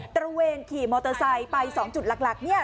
ระเวนขี่มอเตอร์ไซค์ไป๒จุดหลัก